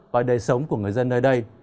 và đời sống của người dân nơi đây